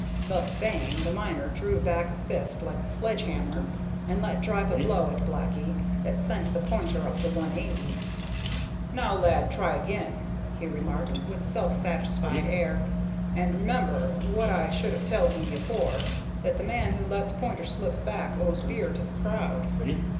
Thus saying, the miner drew back a fist like a sledge hammer, and let drive a blow at "Blacky" that sent the pointer up to 180. "Now, lad, try again," he remarked, with a self satisfied air; "and remember, what I should have telled thee afore, that the man who lets pointer slip back owes beer to the crowd."